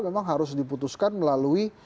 memang harus diputuskan melalui